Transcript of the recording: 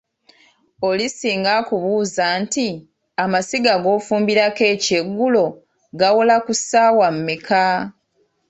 Oli singa akubuuza nti ,amasiga g'ofumbirako ekyeggulo gawola ku ssaawa mmeka?